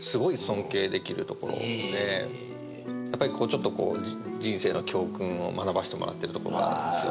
ちょっとこう人生の教訓を学ばせてもらってるところがあるんですよ